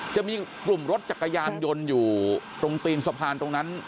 จะมีกลุ่มรถจักรยานยนต์อยู่ตรงตีนสะพานตรงนั้น